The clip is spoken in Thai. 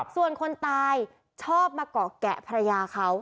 ส่วนคนตายชอบมาเกาะแกะภรรยาเขา